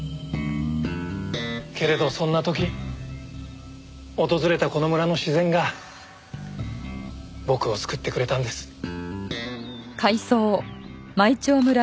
けれどそんな時訪れたこの村の自然が僕を救ってくれたんです。